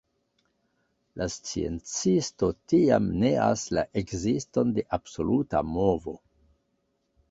La sciencisto tiam neas la ekziston de absoluta movo.